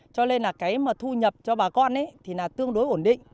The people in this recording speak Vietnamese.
cho nên là cái mà thu nhập cho bà con thì là tương đối ổn định